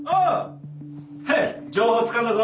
情報つかんだぞ。